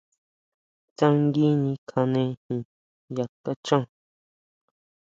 Tsangui nikjanejin ya kaxhan.